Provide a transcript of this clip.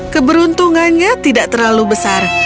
keberuntungannya tidak terlalu besar